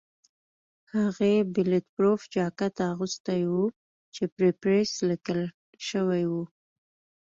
هغې بلېټ پروف جاکټ اغوستی و چې پرې پریس لیکل شوي وو.